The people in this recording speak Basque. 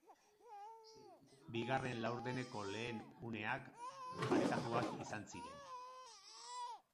Bigarren laurdeneko lehen uneak parekatuak izan ziren.